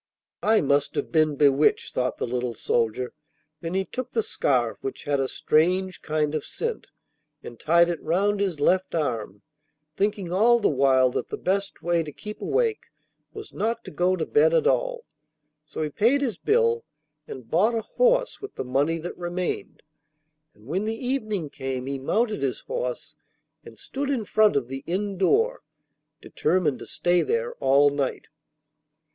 'I must have been bewitched,' thought the little soldier. Then he took the scarf, which had a strange kind of scent, and tied it round his left arm, thinking all the while that the best way to keep awake was not to go to bed at all. So he paid his bill, and bought a horse with the money that remained, and when the evening came he mounted his horse and stood in front of the inn door, determined to stay there all night.